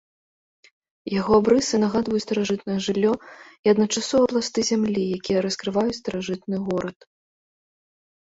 Яго абрысы нагадваюць старажытнае жыллё і адначасова пласты зямлі, якія раскрываюць старажытны горад.